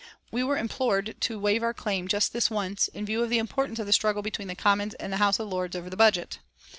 We were implored to waive our claim "just this once" in view of the importance of the struggle between the Commons and the House of Lords over the budget.